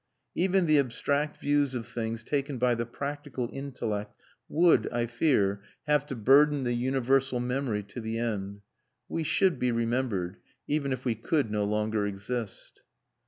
Even the abstract views of things taken by the practical intellect would, I fear, have to burden the universal memory to the end. We should be remembered, even if we could no longer exist.